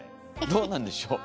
どうなんでしょう？